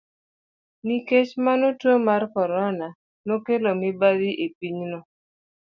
Nikech mano, tuo mar Corona nokelo mibadhi e pinyno.